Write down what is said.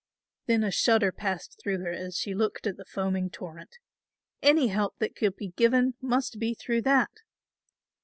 Then a shudder passed through her as she looked at the foaming torrent. Any help that could be given must be through that.